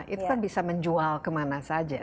itu kan bisa menjual kemana saja